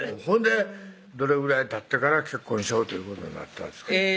ほんでどれぐらいたってから結婚しようということになったんですか？